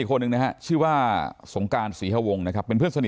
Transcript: คนหนึ่งนะฮะชื่อว่าสงการศรีฮวงนะครับเป็นเพื่อนสนิท